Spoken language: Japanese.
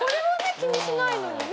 気にしないのにね。